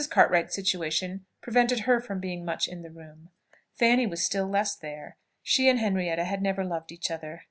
Cartwright's situation prevented her from being much in the room. Fanny was still less there. She and Henrietta had never loved each other.